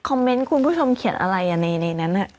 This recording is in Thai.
คอมเมนต์คุณผู้ชมเขียนอะไรอะในนั้นน่ะ